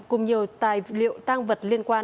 cùng nhiều tài liệu tang vật liên quan